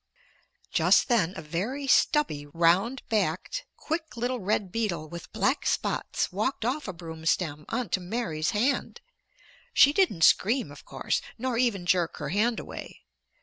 Just then a very stubby, round backed, quick little red beetle with black spots walked off a broom stem on to Mary's hand. She didn't scream, of course, nor even jerk her hand away.